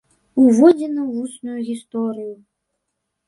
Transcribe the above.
Уводзіны ў вусную гісторыю.